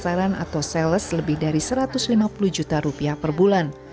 sasaran atau sales lebih dari satu ratus lima puluh juta rupiah per bulan